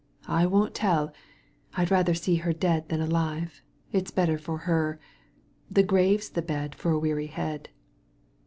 I won't telL I'd rather see her dead than alive ; it's better for her. The grave's the bed for a weary head."